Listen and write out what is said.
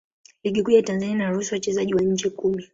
Ligi Kuu ya Tanzania inaruhusu wachezaji wa nje kumi.